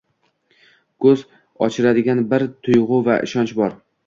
ko'z ochdiradigan bir tuyg'u va ishonch bor